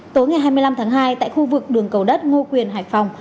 tối ngày hai mươi năm tháng hai tại khu vực đường cầu đất ngô quyền hải phòng